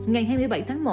ngày hai mươi bảy tháng một